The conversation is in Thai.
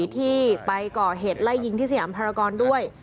ที่ไปก่อเหตุไล่ยิงที่สยามภารกรด้วย